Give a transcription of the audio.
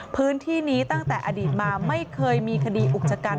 พื้นที่นี้ตั้งแต่อดีตมาไม่เคยมีคดีอุกชะกัน